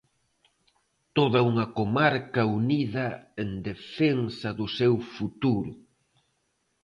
Toda unha comarca unida en defensa do seu futuro.